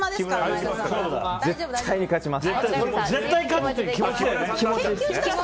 絶対に勝ちます！